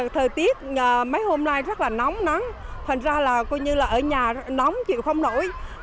thời tiết mấy hôm nay rất là nóng nắng thành ra là coi như là ở nhà nóng chịu không nổi